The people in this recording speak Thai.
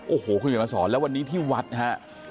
โอ้โหคุณเขียนมาสอนแล้ววันนี้ที่วัดฮะ